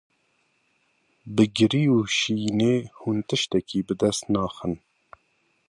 Bi girî û şînê hûn tiştekî bi dest naxin.